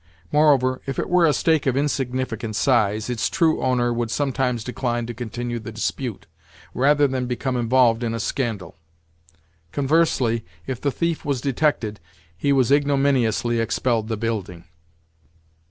Moreover, if it were a stake of insignificant size, its true owner would sometimes decline to continue the dispute, rather than become involved in a scandal. Conversely, if the thief was detected, he was ignominiously expelled the building.